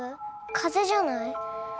風邪じゃない？